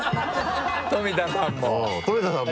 富田さんも。うん。